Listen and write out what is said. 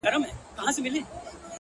ستا د سونډو د خندا په خاليگاه كـي؛